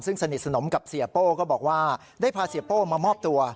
ซึ่งสนิทสนมกับเสียโป้ก็บอกว่าได้พาเสียโป้มามอบตัว